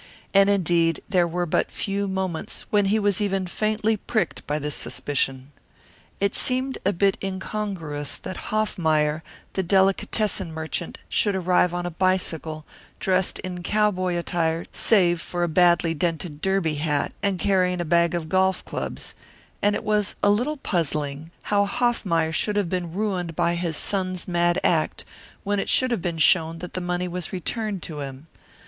And indeed there were but few moments when he was even faintly pricked by this suspicion. It seemed a bit incongruous that Hoffmeyer, the delicatessen merchant, should arrive on a bicycle, dressed in cowboy attire save for a badly dented derby hat, and carrying a bag of golf clubs; and it was a little puzzling how Hoffmeyer should have been ruined by his son's mad act, when it would have been shown that the money was returned to him.